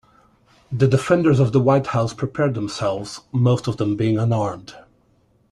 The defenders of the White House prepared themselves, most of them being unarmed.